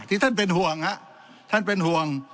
ที่ท่านเป็นห่วงฮะท่านเป็นห่วง